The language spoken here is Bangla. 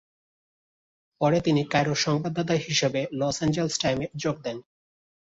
পরে তিনি কায়রোর সংবাদদাতা হিসেবে "লস এঞ্জেলেস টাইমসে যোগ দেন।"